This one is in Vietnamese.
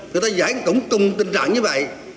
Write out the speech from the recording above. người ta giải cũng cùng tình trạng như vậy